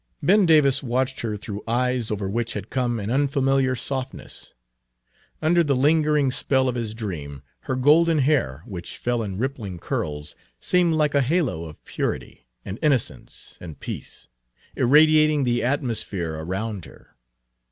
Ben Davis watched her through eyes over which had come an unfamiliar softness. Under the lingering spell of his dream, her golden hair, which fell in rippling curls, seemed like a halo of purity and innocence and peace, irradiating the atmosphere around her.